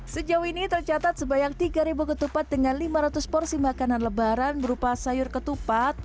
sejauh ini tercatat sebanyak tiga ketupat dengan lima ratus porsi makanan lebaran berupa sayur ketupat